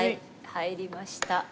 入りました。